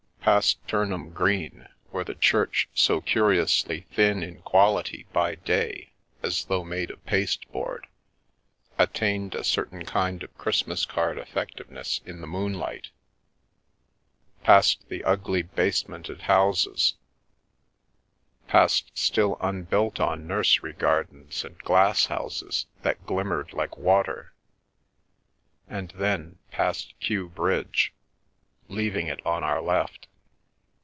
Past Turnham Green, where the church, so curiously thin in quality by day, as though made of pasteboard, attained a certain kind of Christmas card effectiveness in the moonlight; past the ugly basemented houses, past still TCT The Milky Way unbuilt on nursery gardens and glass houses that glim mered like water, and then — past Kew Bridge, leaving it on our left.